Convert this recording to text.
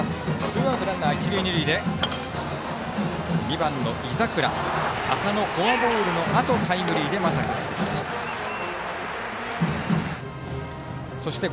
ツーアウト、ランナー、一塁二塁２番の井櫻浅野、フォアボールのあとタイムリーでまた勝ち越しました。